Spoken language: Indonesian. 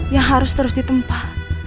yang harus terus ditempah